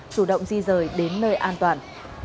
chủ động di rời đến nơi an toàn